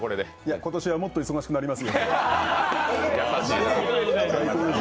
今年はもっと忙しくなりますよ。